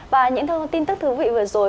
và những thông tin thức thú vị vừa rồi